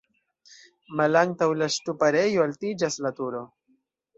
Malantaŭ la ŝtuparejo altiĝas la turo.